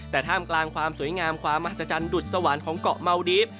แต่ท่ามกลางความสวยงามความมหัศจรรย์ดุดสวรรค์ของเกาะเมาดีฟ